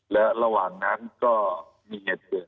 และระหว่างนั้นก็มีเหตุเกิด